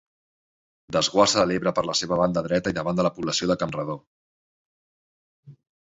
Desguassa a l'Ebre per la seva banda dreta i davant de la població de Campredó.